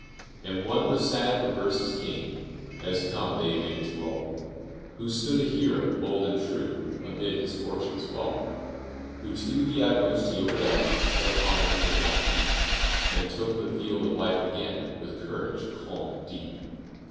And when the sad reverses came, As come they may to all, Who stood a Hero, bold and true, Amid his fortune's fall? Who to the utmost yielded up What Honor could not keep, Then took the field of life again With courage calm and deep?